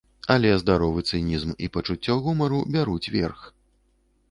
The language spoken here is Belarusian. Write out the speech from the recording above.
Але здаровы цынізм і пачуцце гумару бяруць верх.